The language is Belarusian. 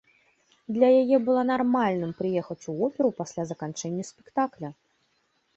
Для яе было нармальным прыехаць у оперу пасля заканчэння спектакля.